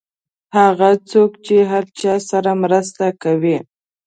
هغه څوک چې د هر چا سره مرسته کوي.